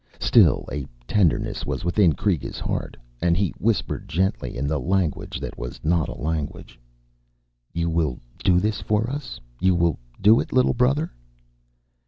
Still, a tenderness was within Kreega's heart, and he whispered gently in the language that was not a language, _You will do this for us? You will do it, little brother?